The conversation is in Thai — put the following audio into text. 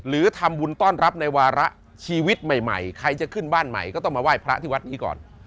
หรือทำบุญต้อนรับในวาระชีวิตใหม่ใครจะขึ้นบ้านใหม่ก็ต้องมาไหว้พระที่วัดนี้ก่อน